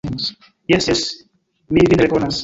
Jes, jes, mi vin rekonas!